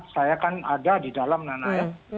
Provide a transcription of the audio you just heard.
saya kan ada di dalam nana ya